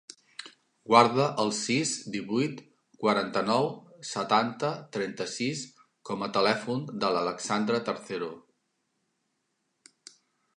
Guarda el sis, divuit, quaranta-nou, setanta, trenta-sis com a telèfon de l'Alexandra Tercero.